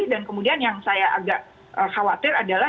dan kemudian yang saya agak khawatir adalah